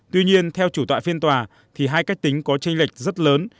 tuy nhiên theo chủ tọa phiên tòa thì hai cách tính có tranh lệch rất lớn